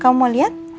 kamu mau lihat